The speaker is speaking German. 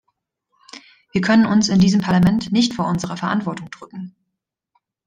Wir können uns in diesem Parlament nicht vor unserer Verantwortung drücken.